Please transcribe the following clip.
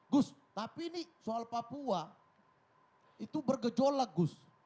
gus tapi ini soal papua itu bergejolak gus